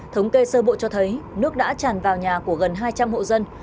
thống kê sơ bộ cho thấy nước đã tràn vào nhà của gần hai trăm linh hộ dân